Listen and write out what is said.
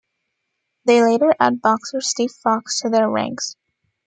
They later add boxer Steve Fox to their ranks.